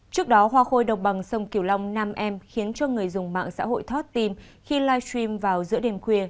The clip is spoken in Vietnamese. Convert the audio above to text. trước đó hoa khôi độc bằng sông kiều long nam em khiến cho người dùng mạng xã hội thoát tim khi live stream vào giữa đêm khuya